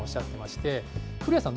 古谷さん